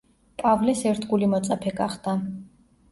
პავლეს ერთგული მოწაფე გახდა.